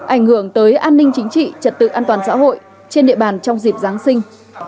ảnh hưởng tới an ninh chính trị trật tự an toàn xã hội trên địa bàn trong dịp giáng sinh